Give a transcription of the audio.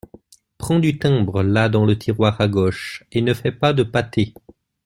Prends du timbre, là dans le tiroir à gauche, et ne fais pas de pâtés.